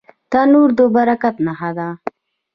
تنور د برکت نښه ده